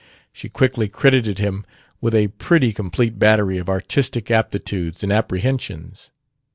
She quickly credited him with a pretty complete battery of artistic aptitudes and apprehensions.